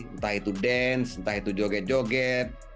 entah itu dance entah itu joget joget